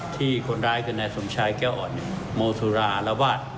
ที่คนร้ายคือนายสมชายแก้วอ่อนโมสุรารวาส